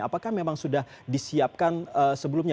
apakah memang sudah disiapkan sebelumnya